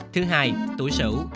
thứ hai tuổi sử